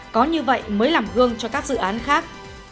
có như vậy mới làm gương cho các dự án khác